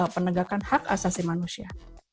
penegakan hak asasi manusia